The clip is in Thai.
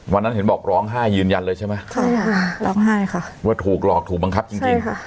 วันนั้นเห็นบอกร้องไห้ยืนยันเลยใช่ไหมใช่ค่ะร้องไห้ค่ะว่าถูกหลอกถูกบังคับจริง